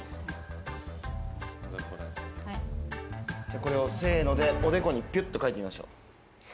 これをせのでおでこにぴゅっと書いてみましょう。